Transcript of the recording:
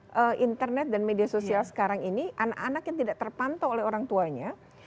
karena internet dan media sosial sekarang ini anak anak yang tidak terpantau oleh orang tuanya